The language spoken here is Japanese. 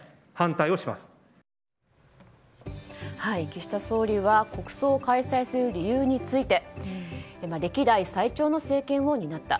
岸田総理は国葬を開催する理由について歴代最長の政権を担った。